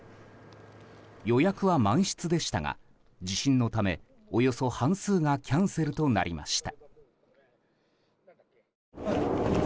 予約は満室でしたが地震のためおよそ半数がキャンセルとなりました。